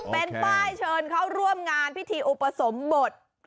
เป็นป้ายเชิญเขาร่วมงานพิธีอุปสมบท